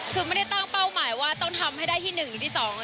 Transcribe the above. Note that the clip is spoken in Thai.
คือไม่ได้ตั้งเป้าหมายว่าต้องทำให้ได้ที่๑หรือที่๒